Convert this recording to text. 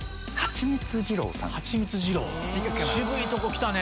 渋いとこ来たね。